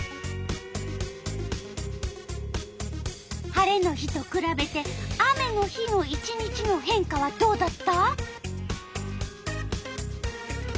晴れの日とくらべて雨の日の１日の変化はどうだった？